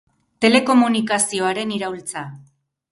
Telekomunikazioaren iraultza.